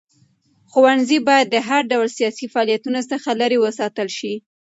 ښوونځي باید د هر ډول سیاسي فعالیتونو څخه لرې وساتل شي.